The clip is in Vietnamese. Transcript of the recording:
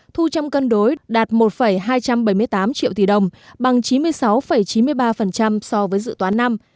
thu trong cân đối đạt một hai trăm bảy mươi tám triệu tỷ đồng bằng chín mươi sáu chín mươi ba so với dự toán năm